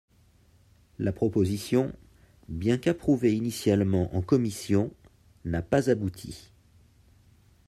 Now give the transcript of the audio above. La proposition, bien qu'approuvée initialement en commission, n'a pas abouti.